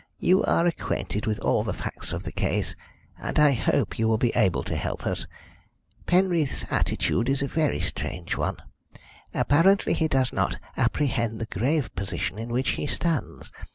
"You are acquainted with all the facts of the case, and I hope you will be able to help us. Penreath's attitude is a very strange one. Apparently he does not apprehend the grave position in which he stands.